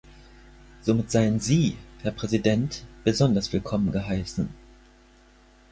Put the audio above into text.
Somit seien Sie, Herr Präsident, besonders willkommen geheißen.